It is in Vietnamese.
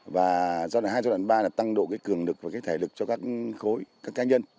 và giai đoạn hai giai đoạn ba là tăng độ cường lực và thể lực cho các khối các cá nhân